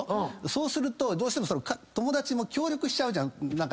そうするとどうしても友達も協力しちゃう。